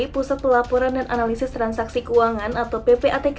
pusat pelaporan dan analisis transaksi keuangan atau ppatk